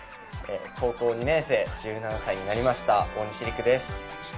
高校２年生、１７歳になりました、大西利空です。